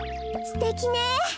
すてきね。